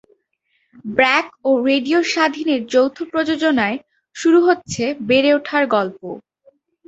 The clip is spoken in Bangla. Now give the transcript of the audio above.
ব্র্যাক ও রেডিও স্বাধীনের যৌথ প্রযোজনায় শুরু হচ্ছে বেড়ে ওঠার গল্প।